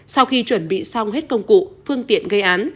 sau khi chuẩn bị xong hết công cụ phương tiện gây án